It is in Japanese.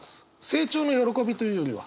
成長の喜びというよりは。